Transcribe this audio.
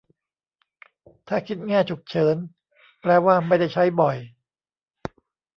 ถ้าคิดแง่ "ฉุกเฉิน" แปลว่าไม่ได้ใช้บ่อย